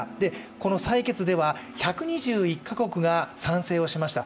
この採決では１２１か国が賛成をしました。